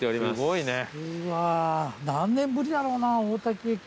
うわ何年ぶりだろうな大多喜駅。